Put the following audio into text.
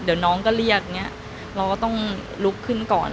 เดี๋ยวน้องก็เรียกอย่างนี้เราก็ต้องลุกขึ้นก่อน